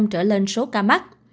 tám mươi trở lên số ca mắc